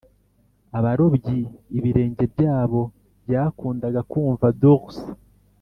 abarobyi ibirenge byabo byakundaga kumva dulse